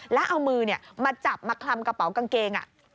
แล้วเอามือมาจับมาคลำกระเป๋ากางเกง